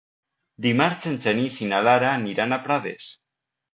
Dimarts en Genís i na Lara aniran a Prades.